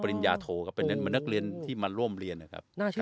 โหเป็นนักเรียนที่มาร่วมเรียน